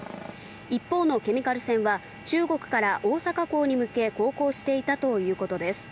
一方のケミカル船は中国から大阪港に向け航行していたということです。